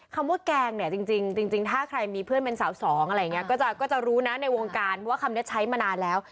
คำว่าแกงเนี่ยจริงถ้าใครมีเพื่อนเป็นสาวสองอะไรอย่างนี้ก็จะรู้นะในวงการว่าคำนี้ใช้มานานแล้ว